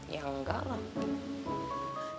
ya nggak lah